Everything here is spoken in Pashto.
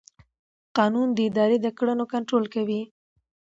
قانون د ادارې د کړنو کنټرول کوي.